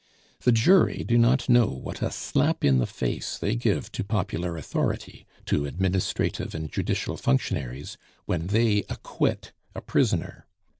The jury do not know what a slap in the face they give to popular authority, to administrative and judicial functionaries, when they acquit a prisoner.